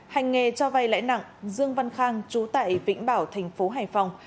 hành nghề cho vay lãi nặng dương văn khang chú tại vĩnh bảo thành phố hải phòng